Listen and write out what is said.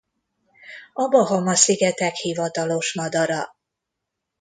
A Bahama-szigetek hivatalos madara.